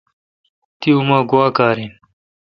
تی اومہ گوا کار این۔